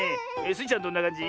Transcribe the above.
スイちゃんどんなかんじ？